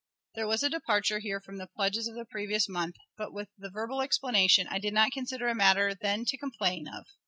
There was a departure here from the pledges of the previous month, but, with the verbal explanation, I did not consider it a matter then to complain of.